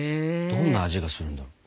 どんな味がするんだろう？